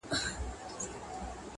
د تداوۍ وار چي ئې تېر سو